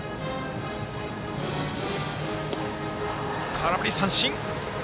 空振り三振！